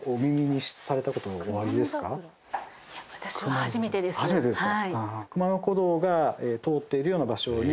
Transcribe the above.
初めてですか。